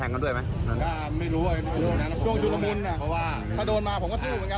ก็ไม่รู้ชุดละมุนถ้าโดนมาผมก็ซื้อเหมือนกัน